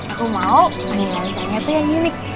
aku mau panggilan saya tuh yang unik